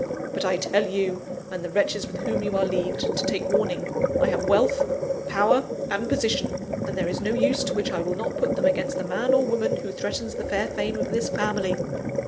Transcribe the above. But I tell you, and the wretches with whom you are leagued, to take warning: I have wealth, power, and position; and there is no use to which I will not put them against the man or woman who threatens the fair fame of this family.